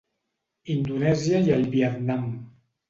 Indonèsia i el Vietnam.